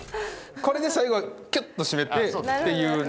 これで最後キュッとしめてっていうね。